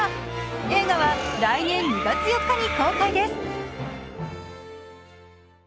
映画は来年２月４日に公開です。